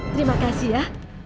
terima kasih ya